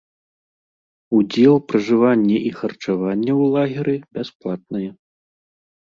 Удзел, пражыванне і харчаванне ў лагеры бясплатнае.